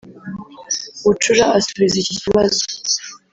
Bucura asubiza iki kibazo